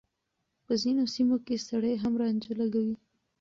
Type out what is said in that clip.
په ځينو سيمو کې سړي هم رانجه لګوي.